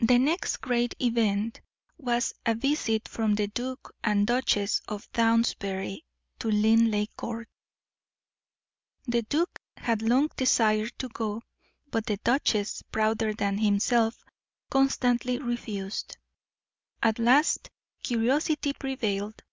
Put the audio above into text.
The next great event was a visit from the Duke and Duchess of Downsbury to Linleigh Court. The duke had long desired to go, but the duchess, prouder than himself, constantly refused. At last curiosity prevailed.